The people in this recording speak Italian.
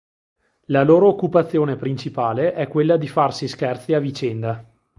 La loro occupazione principale è quella di farsi scherzi a vicenda.